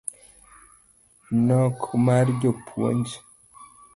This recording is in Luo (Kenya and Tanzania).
nok mar jopuonj